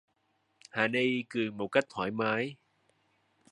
Hà Ni cười một cách thoải mái